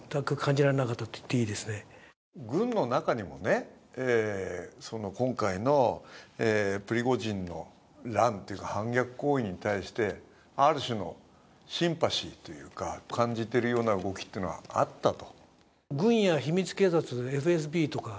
軍の中にも今回のプリゴジンの乱という反逆行為に対してある種のシンパシーというか、感じているような動きというのはあったと？